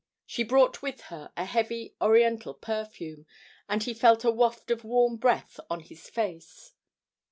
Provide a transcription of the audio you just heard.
She brought with her a heavy oriental perfume, and he felt a waft of warm breath on his face.